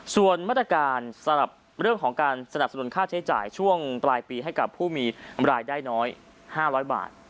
ส่วนมาตรการสำหรับเรื่องของการสนับสนุนค่าใช้จ่ายช่วงปลายปีให้กับผู้มีรายได้น้อย๕๐๐บาท